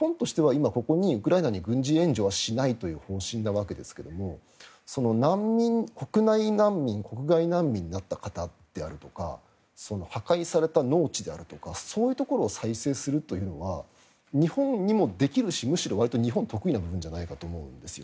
今ここでウクライナに軍事援助はしないという方針なわけですが国内難民、国外難民になった方であるとか破壊された農地であるとかそういうところを再生するというのは日本にもできるしむしろわりと日本が得意な部分だと思うんです。